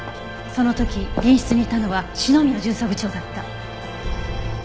その時隣室にいたのは篠宮巡査部長だった。